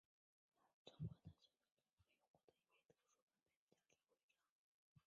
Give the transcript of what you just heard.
通过团队表现而获奖的队伍或俱乐部可以得到一枚特殊版本的银月桂叶徽章。